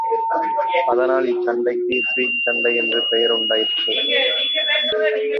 அதனால் இச்சண்டைக்கு ஸ்வீக் சண்டை என்று பெயர் உண்டாயிற்று.